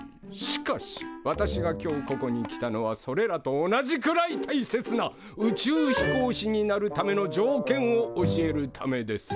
しかし私が今日ここに来たのはそれらと同じくらいたいせつな宇宙飛行士になるための条件を教えるためです。